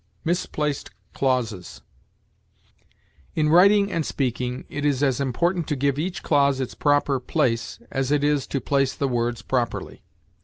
MISPLACED CLAUSES. In writing and speaking, it is as important to give each clause its proper place as it is to place the words properly.